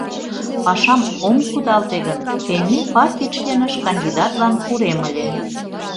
Пашам ом кудалте гын, тений партий членыш кандидатлан пурем ыле.